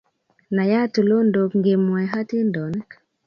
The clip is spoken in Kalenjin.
Nayat tulondok ngemwae hatindonik